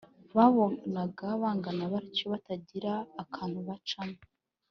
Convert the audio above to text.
babonaga bangana batyo batagira akantu kabacamo